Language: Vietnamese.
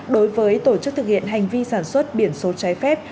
đối với tổ chức thực hiện hành vi sản xuất biển số trái phép